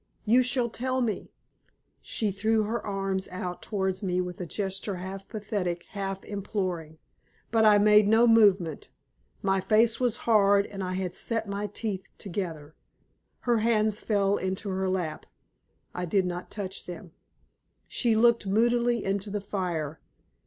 You shall tell me!" She threw her arms out towards me with a gesture half pathetic, half imploring. But I made no movement my face was hard, and I had set my teeth together. Her hands fell into her lap. I did not touch them. She looked moodily into the fire.